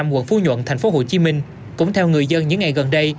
quận phú nhuận tp hcm cũng theo người dân những ngày gần đây